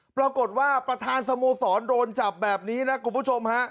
ปรากฏว่าประธานสโมสรโดนจับแบบนี้นะกลุ่มผู้ชมฮะ